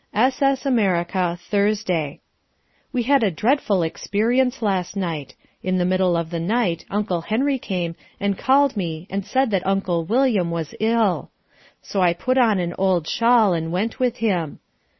S.S. America. Thursday We had a dreadful experience last night. In the middle of the night Uncle Henry came and called me and said that Uncle William was ill. So I put on an old shawl and went with him.